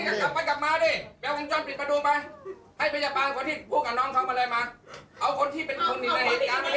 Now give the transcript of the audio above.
ได้จริงหรือเปล่าลูกผู้ชายเปล่า